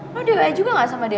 lo di wa juga nggak sama dia